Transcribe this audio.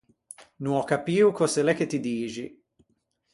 No ò capio cöse l’é che ti dixi.